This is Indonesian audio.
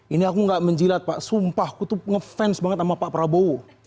ini aku gak menjilat pak sumpah aku tuh ngefans banget sama pak prabowo